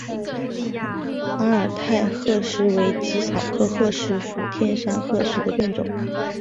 阿尔泰鹤虱为紫草科鹤虱属天山鹤虱的变种。